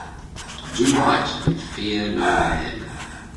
Do right and fear no man.